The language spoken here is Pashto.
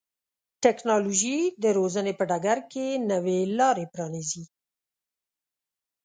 ټکنالوژي د روزنې په ډګر کې نوې لارې پرانیزي.